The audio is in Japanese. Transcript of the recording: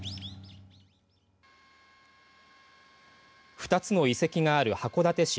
２つの遺跡がある函館市